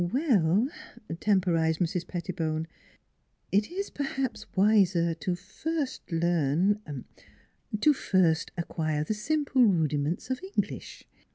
"" Well," temporized Mrs. Pettibone, " it is perhaps wiser to first learn to first acquire the simple rudiments of English."